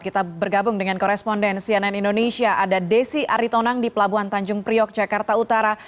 kita bergabung dengan koresponden cnn indonesia ada desi aritonang di pelabuhan tanjung priok jakarta utara